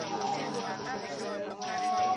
هيڅ وخت هيڅ قوت نسي کولای، چي هغه قشر وپاروي.